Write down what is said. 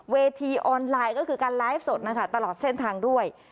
ออนไลน์ก็คือการไลฟ์สดนะคะตลอดเส้นทางด้วย